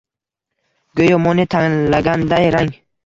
Go‘yo Mone tanlaganday rang.